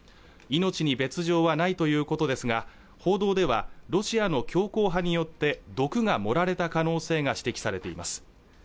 命に別状はないということですが報道ではロシアの強硬派によって毒が盛られた可能性が指摘されています